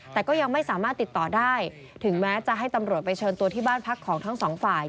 แต่ก็ยังไม่สามารถติดต่อได้ถึงแม้จะให้ตำรวจไปเชิญตัวที่บ้านพักของทั้งสองฝ่าย